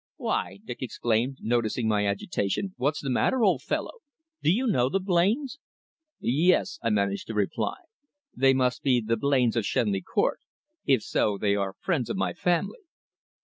"Why," Dick exclaimed, noticing my agitation, "what's the matter, old fellow? Do you know the Blains?" "Yes," I managed to reply. "They must be the Blains of Shenley Court. If so, they are friends of my family."